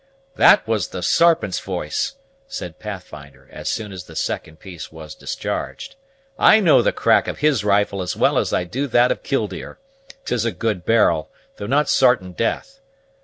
"That was the Sarpent's voice," said Pathfinder, as soon as the second piece was discharged. "I know the crack of his rifle as well as I do that of Killdeer. 'Tis a good barrel, though not sartain death.